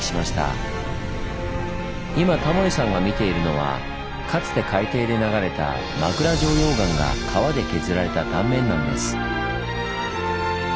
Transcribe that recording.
今タモリさんが見ているのはかつて海底で流れた枕状溶岩が川で削られた断面なんです。